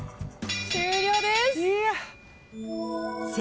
終了です。